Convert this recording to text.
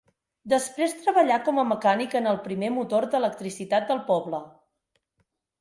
Després treballà com a mecànic en el primer motor d'electricitat del poble.